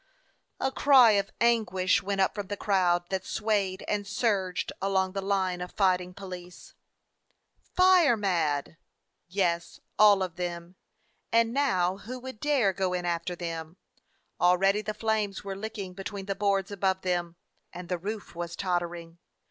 A cry of anguish went up from the crowd that swayed and surged along the line of fight ing police. 271 DOG HEROES OF MANY LANDS "Fire mad!" Yes, all of them! And now who would dare go in after them? Already the flames were licking between the boards above them, and the roof was tottering.